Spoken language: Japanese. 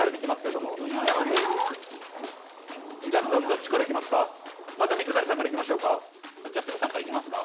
どっちからいきますか？